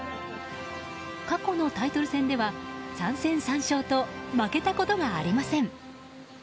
過去のタイトル戦では３戦３勝と負けたことがありません。